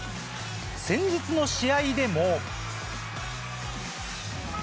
先日の試合でも。